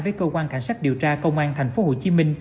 với cơ quan cảnh sát điều tra công an tp hcm